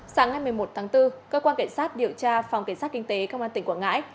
sáng ngày một mươi một tháng bốn cơ quan cảnh sát điều tra phòng cảnh sát kinh tế công an tỉnh quảng ngãi